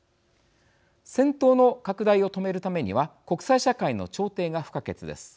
戦闘の拡大を止めるためには国際社会の調停が不可欠です。